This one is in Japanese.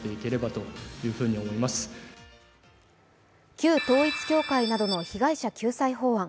旧統一教会などの被害者救済法案。